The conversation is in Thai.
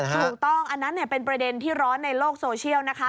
อันนั้นเป็นประเด็นที่ร้อนในโลกโซเชียลนะคะ